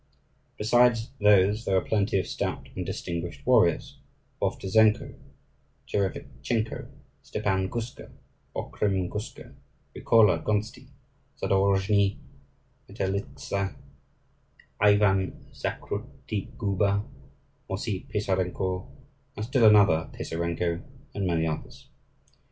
Besides these there were plenty of stout and distinguished warriors: Vovtuzenko, Tcherevitchenko, Stepan Guska, Okhrim Guska, Vikola Gonstiy, Zadorozhniy, Metelitza, Ivan Zakrutiguba, Mosiy Pisarenko, and still another Pisarenko, and many others.